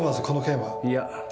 いや。